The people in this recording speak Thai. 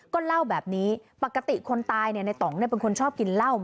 ก็เล่าแบบนี้ปกติคนตายในต่องเป็นคนชอบกินเหล้า